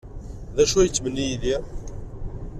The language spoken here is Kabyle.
D acu ay yettmenni Yidir?